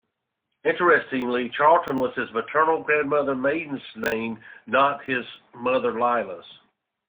Interestingly, Charlton was his maternal grandmother Marian's maiden name, not his mother Lilla's.